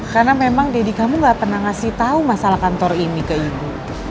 karena memang deddy kamu gak pernah ngasih tau masalah kantor ini ke ibu